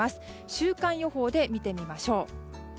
週間予報で見てみましょう。